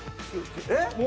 えっ？